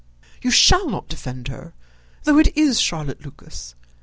You shall not defend her, though it is Charlotte Lucas.